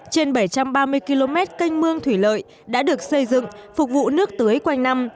trên bảy trăm ba mươi km canh mương thủy lợi đã được xây dựng phục vụ nước tưới quanh năm